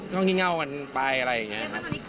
ก็คงที่เงากันไปอะไรอย่างนี้